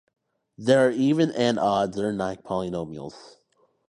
There are even and odd Zernike polynomials.